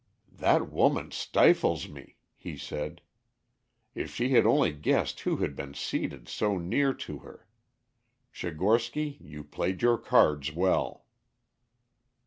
"That woman stifles me," he said. "If she had only guessed who had been seated so near to her! Tchigorsky, you played your cards well."